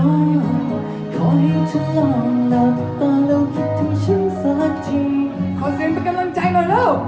ขอให้เธอลองหลับตาแล้วคิดถึงฉันสักที